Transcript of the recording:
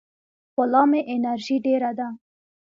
خو لا مې انرژي ډېره ده.